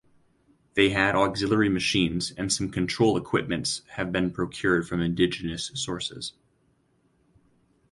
They had Auxiliary machines and some control equipments have been procured from indigenous sources.